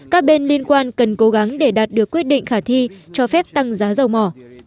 các bên liên quan cần cố gắng để đạt được quyết định khả thi cho phép tăng giá dầu mỏ